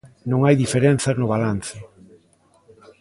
Non hai diferenzas no balance.